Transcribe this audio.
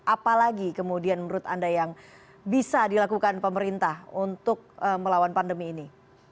apalagi kemudian menurut anda yang bisa dilakukan pemerintah untuk melawan pandemi ini